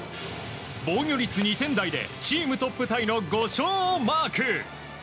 防御率２点台でチームトップタイの５勝をマーク。